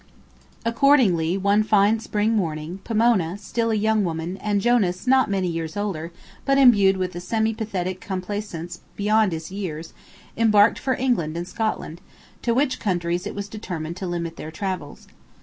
Accordingly, one fine spring morning, Pomona, still a young woman, and Jonas, not many years older, but imbued with a semi pathetic complaisance beyond his years, embarked for England and Scotland, to which countries it was determined to limit their travels.